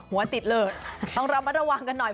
หัวติดเลยต้องระมัดระวังกันหน่อย